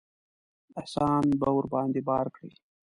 احسان به ورباندې بار کړي.